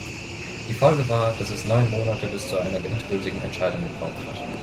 Die Folge war, dass es neun Monate bis zur einer endgültigen Entscheidung gebraucht hat.